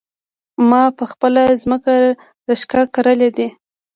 ما په خپله ځمکه رشکه کرلي دي